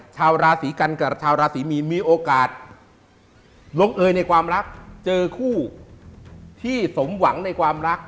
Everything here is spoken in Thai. ชาวราศีกันกับชาวราศีมีนมีโอกาสลงเอยในความรักเจอคู่ที่สมหวังในความรัก